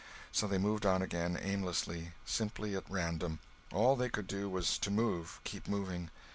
So they moved on again—aimlessly—simply at random—all they could do was to move, keep moving.